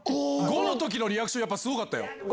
５の時のリアクションすごかったよ。